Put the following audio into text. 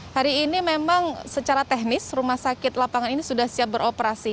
hari ini memang secara teknis rumah sakit lapangan ini sudah siap beroperasi